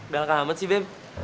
gak ngangka amat sih beb